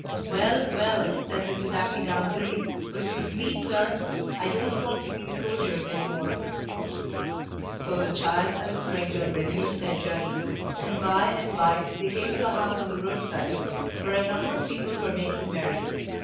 "Well, well," said little Daffydowndilly, "but if you please, sir, I don't want to see the soldiers any more." So the child and the stranger resumed their journey; and, by and by, they came to a house by the road side, where a number of people were making merry.